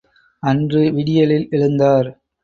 அன்று விடியலில் எழுந்தார்.